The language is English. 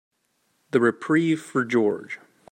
The reprieve for George.